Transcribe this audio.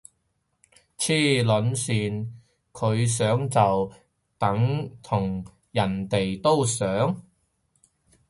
黐撚線，佢想就等如人哋都想？